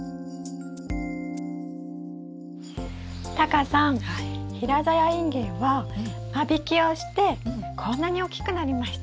タカさん平ざやインゲンは間引きをしてこんなに大きくなりました。